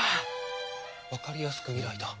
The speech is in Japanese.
わかりやすく未来だ。